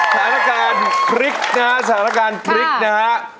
สถานการณ์คลิกสถานการณ์คลิกนะ